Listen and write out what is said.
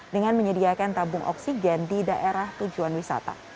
dengan menyediakan tabung oksigen di daerah tujuan wisata